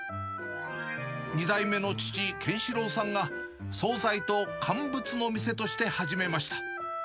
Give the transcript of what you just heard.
２代目の父、健四郎さんが、総菜と乾物の店として始めました。